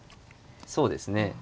そうですね。